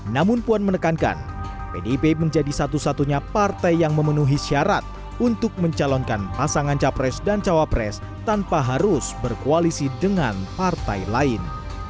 namun puan menekankan pdip menjadi satu satunya partai yang memenuhi syarat untuk mencalonkan pasangan capres dan cawapres tanpa harus berkoalisi dengan partai lain